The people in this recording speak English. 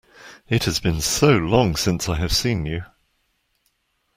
It has been so long since I have seen you!